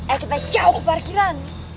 eh kita jauh ke parkiran